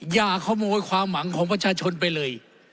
อย่าขโมยความหวังของประชาชนไปเลย